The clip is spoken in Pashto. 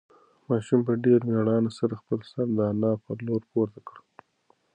ماشوم په ډېرې مېړانې سره خپل سر د انا په لور پورته کړ.